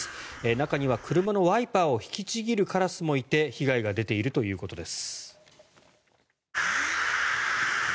中には車のワイパーを引きちぎるカラスもいて被害が出ているということです。